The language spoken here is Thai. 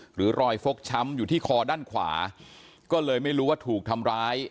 หรือรอยฟกช้ำอยู่ที่คอด้านขวาก็เลยไม่รู้ว่าถูกทำร้าย